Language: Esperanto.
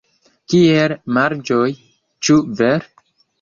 Kiel malĝoje, ĉu vere?